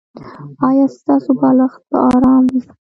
ایا ستاسو بالښت به ارام وي؟